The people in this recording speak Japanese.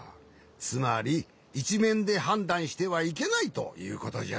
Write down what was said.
つまりいちめんではんだんしてはいけないということじゃ。